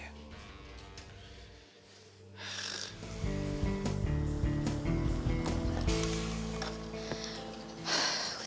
tiba tiba gue kangen banget sama tristan ya